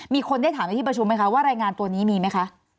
มีคนได้ถามในที่ประชุมไหมคะว่ารายงานตัวนี้มีไหมคะ